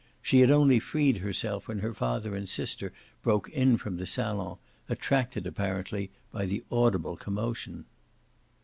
She had only freed herself when her father and sister broke in from the salon, attracted apparently by the audible commotion.